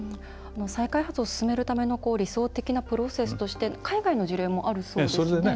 再開発を進めるための理想的なプロセスとして海外の事例もあるそうですね？